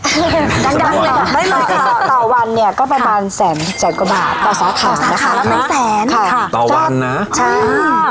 ต่อวันเนี่ยก็ประมาณแสนแสนกว่าบาทต่อสาขาต่อสาขาแล้วไม่แสนต่อวันนะใช่